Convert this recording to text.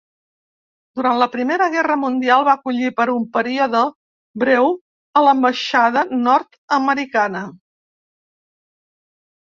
Durant la Primera Guerra Mundial va acollir per un període breu a l'ambaixada nord-americana.